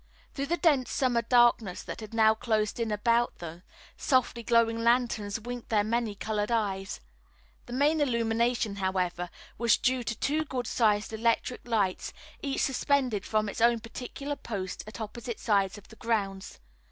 Through the dense summer darkness that had now closed in about them, softly glowing lanterns winked their many colored eyes. The main illumination, however, was due to two good sized electric lights, each suspended from its own particular post at opposite sides of the grounds.